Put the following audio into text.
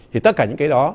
thì tất cả những cái đó